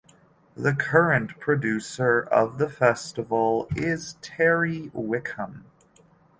The current producer of the festival is Terry Wickham.